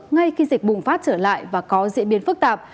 ngay khi dịch bùng phát trở lại và có diễn biến phức tạp